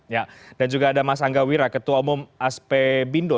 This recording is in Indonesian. ya dan juga ada mas angga wira ketua umum asp bindo